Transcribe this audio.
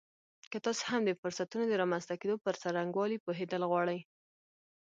که تاسې هم د فرصتونو د رامنځته کېدو پر څرنګوالي پوهېدل غواړئ